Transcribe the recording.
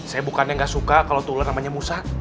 saya bukannya nggak suka kalau tuh ular namanya musa